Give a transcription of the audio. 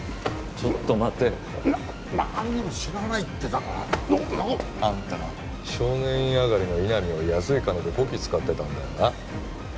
ちょっと待て何にも知らないってだからななあんた少年院あがりの井波を安い金でこき使ってたんだよな？